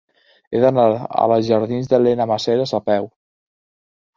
He d'anar a la jardins d'Elena Maseras a peu.